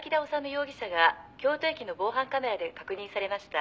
容疑者が京都駅の防犯カメラで確認されました」